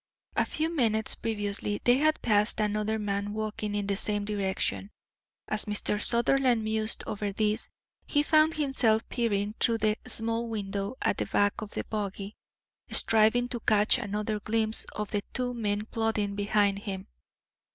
A few minutes previously they had passed another man walking in the same direction. As Mr. Sutherland mused over this he found himself peering through the small window at the back of the buggy, striving to catch another glimpse of the two men plodding behind him.